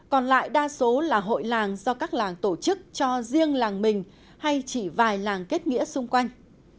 còn lại đa số là hội làng do các làng tổ chức cho riêng làng mình hay chỉ vài làng kết nghĩa xung quanh